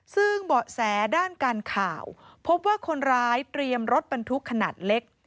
ซึ่งเบาะแสด้านการข่าวพบว่าคนร้ายเตรียมรถบรรทุกขนาดเล็ก